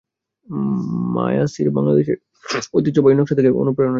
মায়াসীরবাংলাদেশের ঐতিহ্যবাহী নানা নকশা থেকে অনুপ্রেরণা নিয়ে মায়াসীর সাজিয়েছে তাদের বৈশাখী সংগ্রহ।